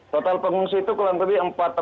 total pengungsi itu kurang lebih empat ratus